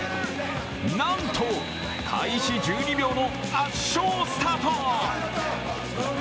なんと開始１２秒の圧勝スタート。